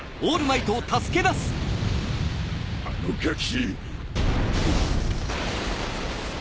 あのガキ！